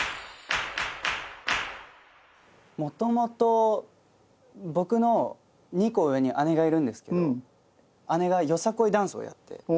もともと僕の２個上に姉がいるんですけど姉がよさこいダンスをやって披露してたんですよ。